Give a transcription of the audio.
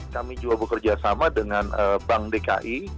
kami juga bekerja sama dengan bank dki